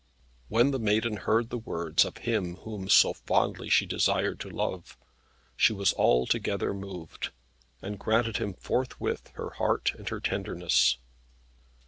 When the Maiden heard the words of him whom so fondly she desired to love, she was altogether moved, and granted him forthwith her heart and her tenderness.